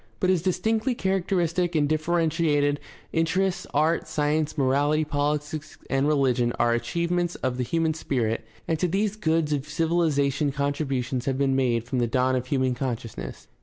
But as dis tinctly characteristic and differentiated interests, art, science, morality, politics, and rehgion are achievements of the human spirit, and to these goods of civilization contributions have been made from the dawn of human consciousness.